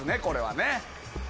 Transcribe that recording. これはね。